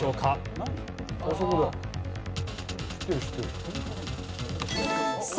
あそこだよ。